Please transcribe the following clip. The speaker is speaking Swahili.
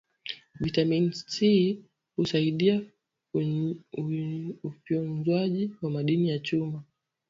vitamini C husaidia ufyonzwaji wa madini ya chuma